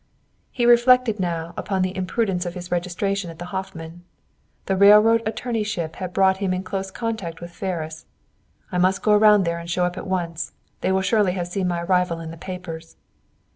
He reflected now upon the imprudence of his registration at the Hoffman. The railroad attorneyship had brought him in close contact with Ferris. "I must go around there and show up at once! They would surely see my arrival in the papers!"